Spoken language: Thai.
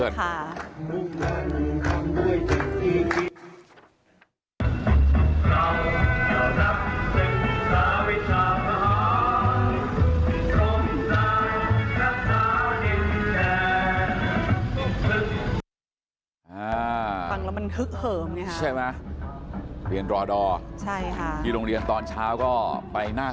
หลังแล้วมันฮึกเหิมใช่ปะเรียนรอดอเบียนลงเรียนตอนเช้าก็ไปหน้า